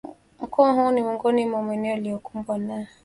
Mkoa huo ni miongoni mwa maeneo yaliyokumbwa na